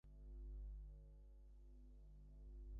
এত পথ এসেছিস আমাকে গুলি করতে?